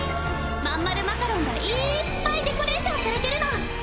まん丸マカロンがいっぱいデコレーションされてるの！